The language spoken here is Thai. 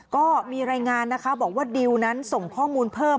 ก็มีรายงานนะคะบอกว่าดิวนั้นส่งข้อมูลเพิ่ม